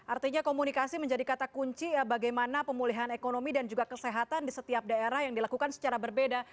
artinya komunikasi menjadi kata kunci bagaimana pemulihan ekonomi dan juga kesehatan di setiap daerah yang dilakukan secara berbeda